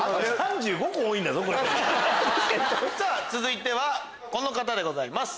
続いてはこの方でございます。